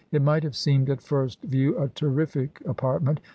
It might have seemed at first view a terrific apartment.